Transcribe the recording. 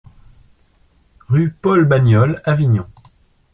Rue Paul Bagnol, Avignon